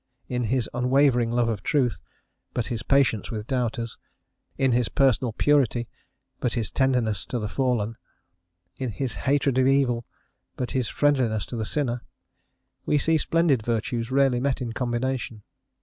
In his unwavering love of truth, but his patience with doubters in his personal purity, but his tenderness to the fallen in his hatred of evil, but his friendliness to the sinner we see splendid virtues rarely met in combination.